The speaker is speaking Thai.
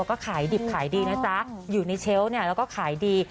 ก็ขายดิบขายดีนะจ๊ะอยู่ในเชลล์เนี่ยแล้วก็ขายดี